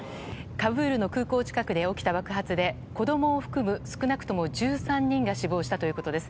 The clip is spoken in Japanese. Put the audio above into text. カブールの空港近くで起きた爆発で子供を含む少なくとも１３人が死亡したということです。